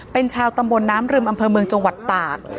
เป็นชาวตำบลน้ำรึมอำเภอเมืองจังหวัดตาก